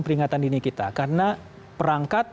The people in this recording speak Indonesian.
peringatan dini kita karena perangkat